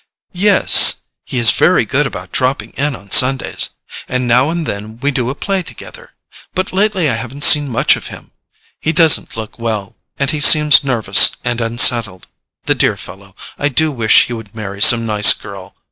"Yes; he is very good about dropping in on Sundays. And now and then we do a play together; but lately I haven't seen much of him. He doesn't look well, and he seems nervous and unsettled. The dear fellow! I do wish he would marry some nice girl.